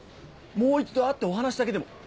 もう一度会ってお話だけでも。